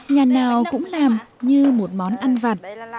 nhà nào cũng làm như một món ăn vặt